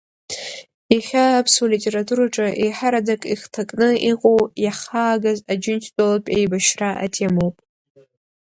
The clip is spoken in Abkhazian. Иахьа аԥсуа литератураҿы еиҳараӡак ихҭакны иҟоу иаҳхаагаз Аџьынџьтәылатә еибашьра атемоуп.